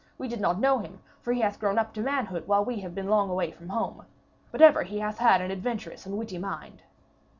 We did not know him, for he hath grown up to manhood while we have been long away from home. But ever he hath had an adventurous and witty mind.'